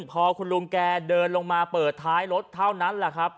พอคุณลุงแกเดินลงมาเปิดท้ายรถเท่านั้นแหละครับ